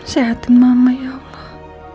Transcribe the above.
sehatkan mama ya allah